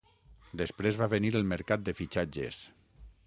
Després va venir el mercat de fitxatges.